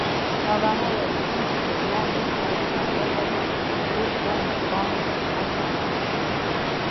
مولانا وایي: "چون سلیمان را سرا پرده زدند، پیشِ او مرغان به خدمت آمدند".